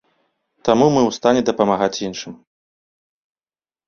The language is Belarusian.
Таму мы ў стане дапамагаць іншым.